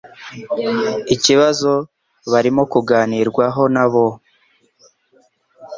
Ikibazo barimo kuganirwaho nabo.